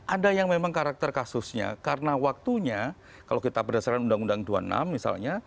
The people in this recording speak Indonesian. ada yang memang karakter kasusnya karena waktunya kalau kita berdasarkan undang undang dua puluh enam misalnya